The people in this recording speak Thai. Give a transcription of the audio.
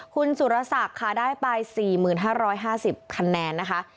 คุณสุรศักดิ์ค่ะได้ไป๔๕๕๐คะแนนนะคะ